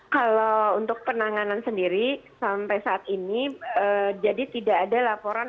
kalau untuk penanganan sendiri sampai saat ini jadi tidak ada laporan